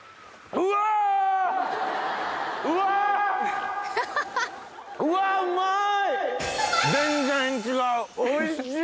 うわうまい！